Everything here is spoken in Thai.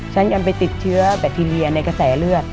ฉันยังไปติดเชื้อแบคทีเรียในกระแสเลือด